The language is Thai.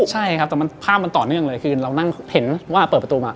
ใช่ครับแต่ภาพมันต่อเนื่องเลยคือเรานั่งเห็นว่าเปิดประตูมา